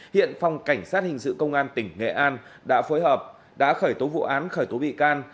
hiện phòng cảnh sát hình sự công an tỉnh nghệ an đã phối hợp đã khởi tố vụ án khởi tố bị can